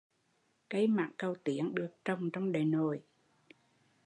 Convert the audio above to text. Cây mảng cầu tiến được trồng trong Đại Nội